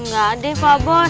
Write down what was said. gak deh pak bos